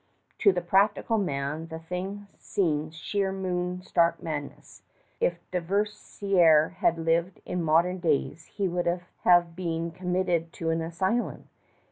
To the practical man the thing seems sheer moon stark madness. If Dauversière had lived in modern days he would have been committed to an asylum.